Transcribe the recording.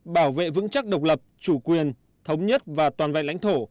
bảo vệ vững chắc độc lập chủ quyền thống nhất và toàn vẹn lãnh thổ